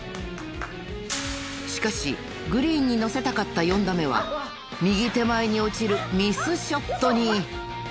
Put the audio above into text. ［しかしグリーンにのせたかった４打目は右手前に落ちるミスショットに］